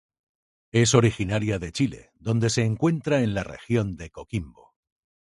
Es originaria de Chile, donde se encuentra en la Región de Coquimbo.